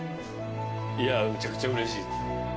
いやめちゃくちゃうれしいです。